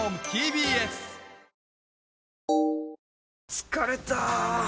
疲れた！